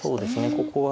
ここは。